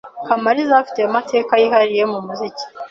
Kamaliza ufite amateka yihariye mu muziki